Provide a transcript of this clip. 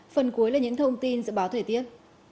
phần cuối là những thông tin dự báo thời tiết